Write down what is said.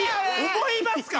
思いますか？